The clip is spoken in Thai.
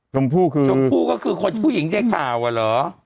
ฝูก็คือผู้หญิงได้ข่าวอะเหรอ